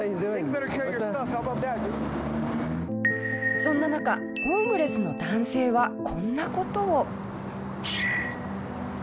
そんな中ホームレスの男性はこんな事を。